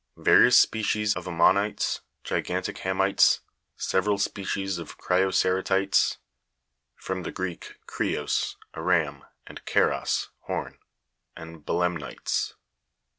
Various spe cies of ammonites, gigantic hamites, several species of Crio'ceratites (fig. 118 from the Greek, Krios, a ram, and Keras, horn) and belem nites.